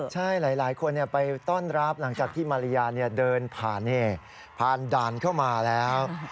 ใช่หลายคนไปต้อนรับหลังจากที่มาริยาเดินผ่านผ่านด่านเข้ามาแล้ว